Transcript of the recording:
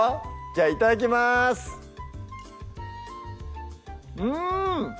じゃあいただきますうん！